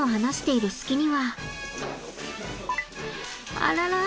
あらら。